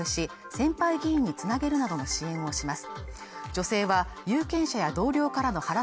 先輩議員につなげるなどの支援をします